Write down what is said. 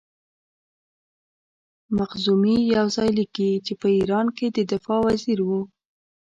مخزومي یو ځای لیکي چې په ایران کې د دفاع وزیر وو.